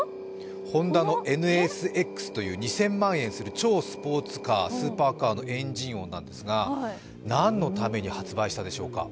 ホンダのＮＳＸという２０００万円する超スーパーカーの縫いぐるみなんですが、何のために発売したでしょうか？